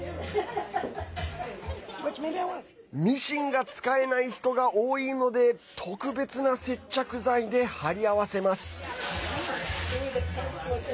ミシンが使えない人が多いので特別な接着剤で貼り合わせます。